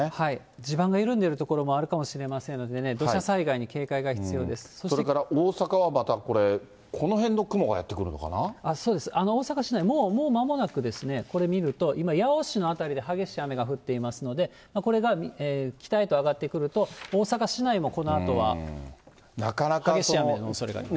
地盤が緩んでいる所もあるかもしれませんので、土砂災害に警それから大阪はまた、これ、そうです、大阪市内、もうまもなくですね、これ見ると、今、八尾市の辺りで激しい雨が降っていますので、これが北へと上がってくると、大阪市内もこのあとは激しい雨のおそれがあります。